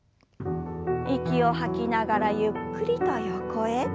息を吐きながらゆっくりと横へ。